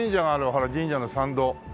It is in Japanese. ほら神社の参道。